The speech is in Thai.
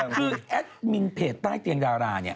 คือแอดมินเพจใต้เตียงดาราเนี่ย